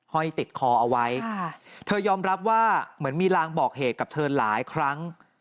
ห้อยติดคอเอาไว้เธอยอมรับว่าเหมือนมีลางบอกเหตุกับเธอหลายครั้ง